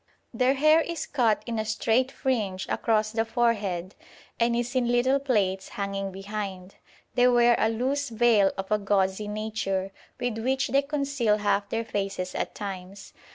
Their hair is cut in a straight fringe across the forehead and is in little plaits hanging behind. They wear a loose veil of a gauzy nature, with which they conceal half their faces at times.